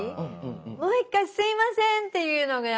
もう一回「すいません」って言うのがやっぱり。